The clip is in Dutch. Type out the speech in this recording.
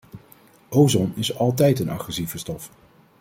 Ozon is altijd een agressieve stof.